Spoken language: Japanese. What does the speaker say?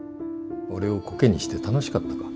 俺をこけにして楽しかったか？